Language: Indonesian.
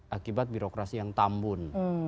akibat birokrasi yang tambun